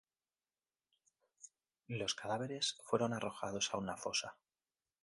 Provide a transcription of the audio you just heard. Los cadáveres fueron arrojados a una fosa.